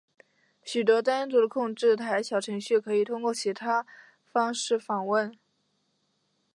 许多单独的控制台小程序可以通过其他方式访问。